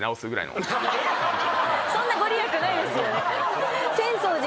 ・そんな御利益ないですよね。